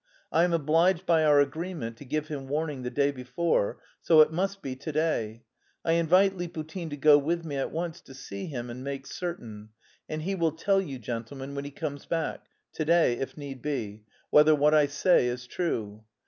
"I am obliged by our agreement to give him warning the day before, so it must be to day. I invite Liputin to go with me at once to see him and make certain, and he will tell you, gentlemen, when he comes back to day if need be whether what I say is true.